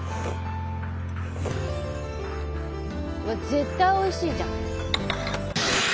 絶対おいしいじゃん。